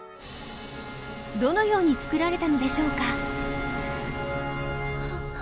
どのように作られたのでしょうか？